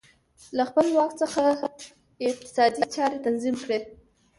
له خپل واک څخه یې اقتصادي چارې تنظیم کړې